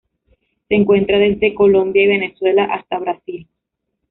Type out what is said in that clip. Se encuentra desde Colombia y Venezuela hasta Brasil.